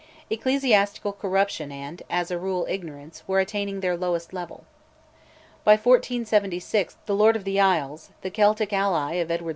Ecclesiastical corruption and, as a rule, ignorance, were attaining their lowest level. By 1476 the Lord of the Isles, the Celtic ally of Edward IV.